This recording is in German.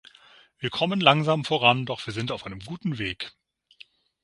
Wir kommen langsam voran, doch wir sind auf einem guten Weg.